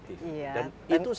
dan itu saat ini sedang dalam proses